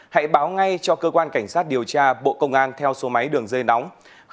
hãy báo ngay cho cơ quan cảnh sát điều tra bộ công an theo số máy đường dây nóng